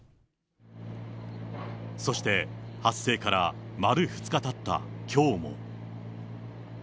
そして発生から丸２日たったきょうも。